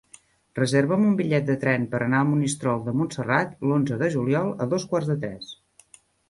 Reserva'm un bitllet de tren per anar a Monistrol de Montserrat l'onze de juliol a dos quarts de tres.